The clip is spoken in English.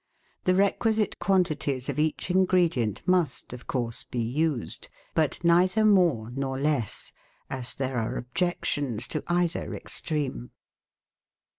The requisite quan tities of each ingredient must, of course, be used, but neither more nor less, as there are objections to either extreme.